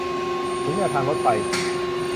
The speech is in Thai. ถึงแนวทางรถไฟ